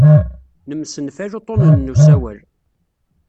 Nemsenfal uḍḍunen n usawal.